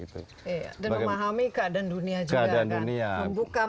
dan memahami keadaan dunia juga kan